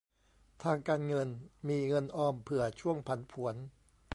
ทางการเงิน : มีเงินออมเผื่อช่วงผันผวน